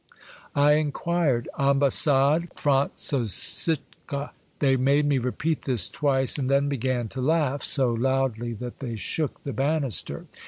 I inquired, ^' Ambassad Frantzosiche f They made me repeat this twice, and then began to laugh, so loudly that they shook the banister.